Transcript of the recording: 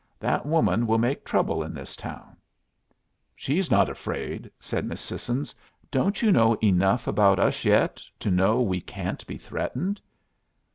That woman will make trouble in this town." "She's not afraid," said Miss Sissons. "Don't you know enough about us yet to know we can't be threatened?"